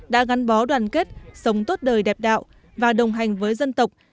đã gắn bó đoàn kết sống tốt đời đẹp đạo và đồng hành với dân tộc